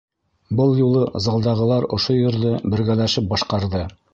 Был юлы залдағылар ошо йырҙы бергәләшеп башҡарҙы.